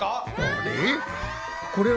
あれ！？